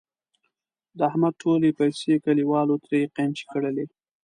د احمد ټولې پیسې کلیوالو ترې قېنچي کړلې.